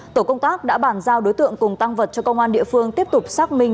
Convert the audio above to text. tổ công tác đã bàn giao đối tượng cùng tăng vật cho công an địa phương tiếp tục xác minh